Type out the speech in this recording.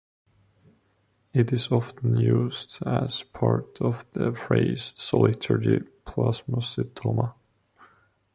It is often used as part of the phrase "solitary plasmacytoma".